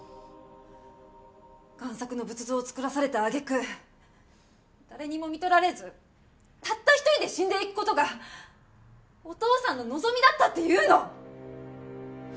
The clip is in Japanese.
贋作の仏像をつくらされた揚げ句誰にも看取られずたった一人で死んでいく事がお父さんの望みだったっていうの？